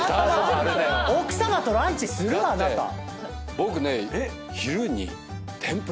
僕ね。